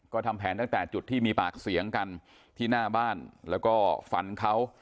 ก็ทำแผนตั้งแต่จุดที่มีปากเสียงกันที่หน้าบ้านแล้วก็ฟันเขา